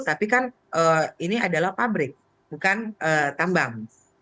tapi kan ini adalah pabrik bukan tambang